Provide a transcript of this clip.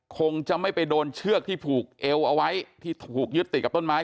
คงจะไม่ไปโดนเชือกที่ผูกเอวเอาไว้ที่ถูกยึดติดกับต้นไม้